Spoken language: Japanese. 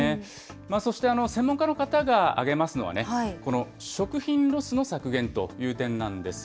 そして、専門家の方が挙げますのは、この食品ロスの削減という点なんです。